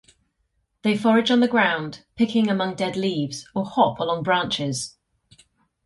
They forage on the ground, picking among dead leaves, or hop along branches.